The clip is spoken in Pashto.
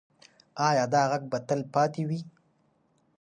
ایا دا غږ به تل پاتې وي؟